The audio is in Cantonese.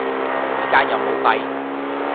而家有武肺